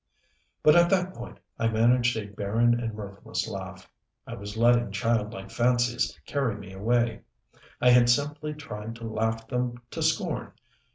But at that point I managed a barren and mirthless laugh. I was letting childlike fancies carry me away and I had simply tried to laugh them to scorn.